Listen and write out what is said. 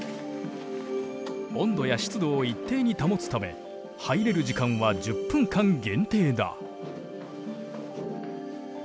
温度や湿度を一定に保つため入れる時間は１０分間限定だ。